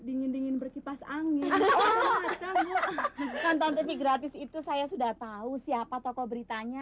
dingin dingin berkipas angin atau masam bu nonton tv gratis itu saya sudah tahu siapa tokoh beritanya